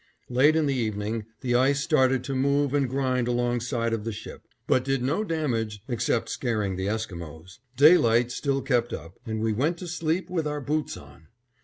Late in the evening, the ice started to move and grind alongside of the ship, but did no damage except scaring the Esquimos. Daylight still kept up and we went to sleep with our boots on!